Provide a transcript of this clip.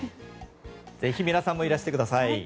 ぜひ皆さんもいらしてください。